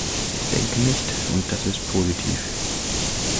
Ich denke nicht und das ist positiv.